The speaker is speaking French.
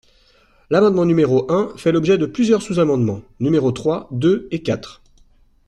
L’amendement numéro un fait l’objet de plusieurs sous-amendements, numéros trois, deux et quatre.